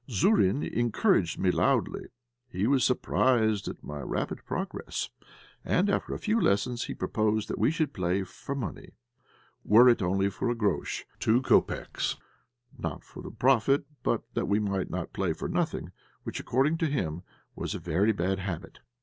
Zourine encouraged me loudly; he was surprised at my rapid progress, and after a few lessons he proposed that we should play for money, were it only for a "groch" (two kopeks), not for the profit, but that we might not play for nothing, which, according to him, was a very bad habit.